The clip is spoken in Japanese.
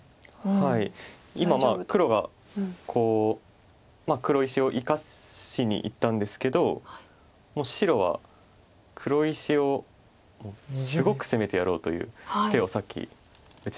今黒がこう黒石を生かしにいったんですけどもう白は黒石をすごく攻めてやろうという手をさっき打ちました。